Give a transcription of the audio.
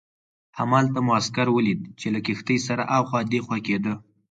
همالته مو عسکر ولید چې له کښتۍ سره اخوا دیخوا کېده.